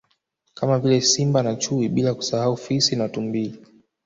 Kama vile Simba na Chui bila kusahau Fisi na Tumbili